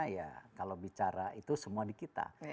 ya kalau bicara itu semua di kita